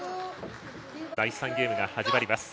第３ゲーム始まりました。